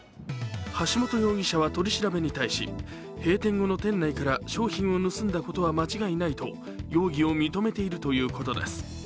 橋本容疑者は取り調べに対し閉店後の店内から商品を盗んだことは間違いないと容疑を認めているということです。